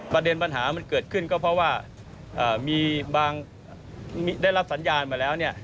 ประเด็นปัญหามันเกิดขึ้นก็เพราะว่ามีบางได้รับสัญญาณมาแล้วเนี่ย